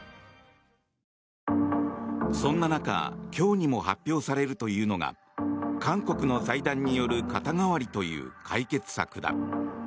そんな中今日にも発表されるというのが韓国の財団による肩代わりという解決策だ。